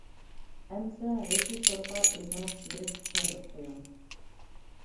-ئەمسە رېژىسسورغا ئۆزىڭىز بېرىپ چۈشەندۈرۈپ قۇيۇڭ.